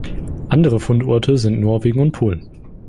Andere Fundorte sind: Norwegen und Polen.